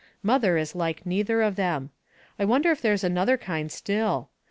Mother is like neither of them. I wonder if there's another kind Btill.